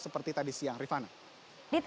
seperti tadi siang rifana